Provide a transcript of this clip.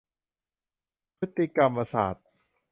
พฤติกรรมศาสตร์